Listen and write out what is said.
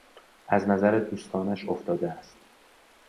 از نظر دوستانش افتاده است.